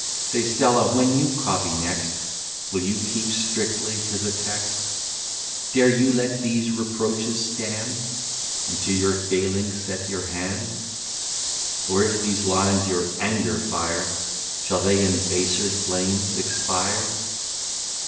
Say, Stella, when you copy next, Will you keep strictly to the text? Dare you let these reproaches stand, And to your failing set your hand? Or, if these lines your anger fire, Shall they in baser flames expire?